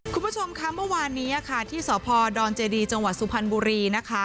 คุณผู้ชมค่ะเมื่อวานนี้ค่ะที่สพดอนเจดีจังหวัดสุพรรณบุรีนะคะ